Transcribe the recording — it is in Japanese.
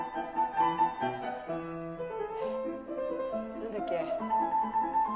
何だっけ？